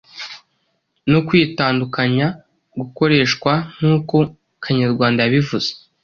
no kwitandukanya gukoreshwa nkuko kanyarwanda yabivuze